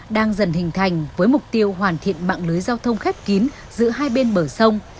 đang dần hình thành với mục tiêu hoàn thiện mạng lưới giao thông khép kín giữa hai bên bờ sông